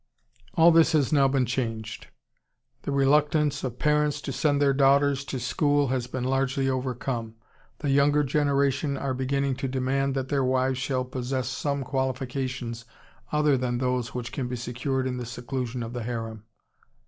"All this has now been changed. The reluctance of parents to send their daughters to school has been largely overcome.... The younger generation are beginning to demand that their wives shall possess some qualifications other than those which can be secured in the seclusion of the harem."